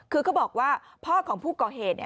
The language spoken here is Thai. คือเขาบอกว่าพ่อของผู้ก่อเหตุ